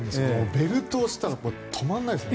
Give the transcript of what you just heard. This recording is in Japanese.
ベルトをしたらたまらないですね。